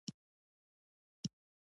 د زمان پر لارو که د ژوند نښو ته وګورو.